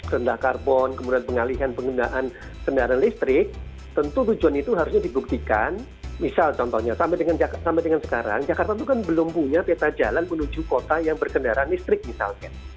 rendah karbon kemudian pengalihan penggunaan kendaraan listrik tentu tujuan itu harusnya dibuktikan misal contohnya sampai dengan sekarang jakarta itu kan belum punya peta jalan menuju kota yang berkendaraan listrik misalkan